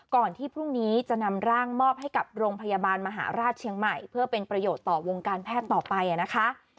ก่อนที่พรุ่งนี้จะนำร่างมอบให้กับโรงพยาบาลมหาราชเชียงใหม่เพื่อเป็นประโยชน์ต่อวงการแพทย์ต่อไปนะคะ